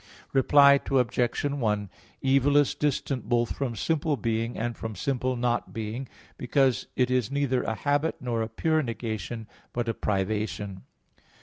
Reply Obj. 1: Evil is distant both from simple being and from simple "not being," because it is neither a habit nor a pure negation, but a privation.